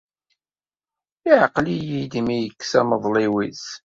Iɛqel-yi-d mi yekkes amḍelliw-is.